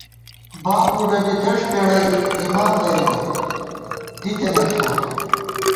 باب بُڈہ بی دݭ پېڑَئی اِمام درِبوت، دِتَنَئیت خو